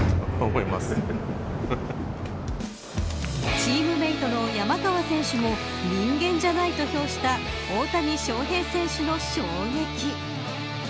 チームメートの山川選手も人間じゃないと評した大谷翔平選手の衝撃。